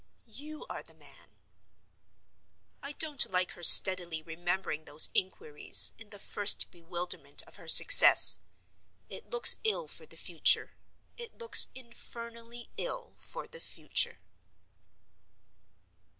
"You are the man." I don't like her steadily remembering those inquiries, in the first bewilderment of her success. It looks ill for the future; it looks infernally ill for the future.